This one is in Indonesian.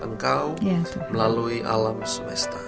engkau melalui alam semesta